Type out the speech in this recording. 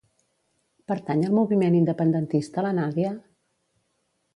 Pertany al moviment independentista la Nadya?